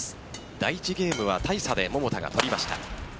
第１ゲームは大差で桃田が取りました。